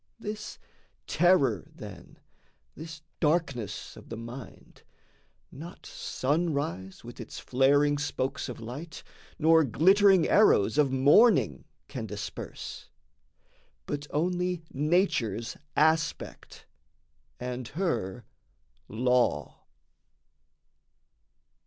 This terror then, this darkness of the mind, Not sunrise with its flaring spokes of light, Nor glittering arrows of morning can disperse, But only nature's aspect and her law.